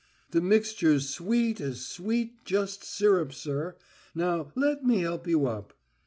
The mixture's sweet as sweet, just syrup, sir. Now let me help you up...."